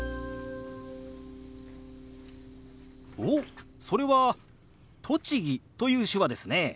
おっそれは「栃木」という手話ですね。